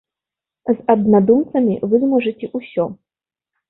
З аднадумцамі вы зможаце ўсё!